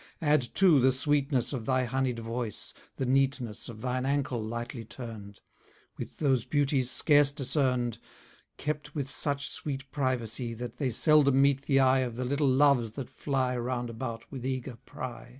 Add too, the sweetness Of thy honied voice; the neatness Of thine ankle lightly turn'd: With those beauties, scarce discrn'd, Kept with such sweet privacy, That they seldom meet the eye Of the little loves that fly Round about with eager pry.